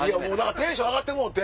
テンション上がってもうて。